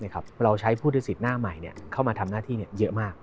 เข้ามาทำหน้าที่เยอะมาก